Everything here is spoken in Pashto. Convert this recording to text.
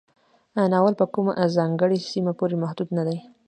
ناول په کومه ځانګړې سیمه پورې محدود نه دی.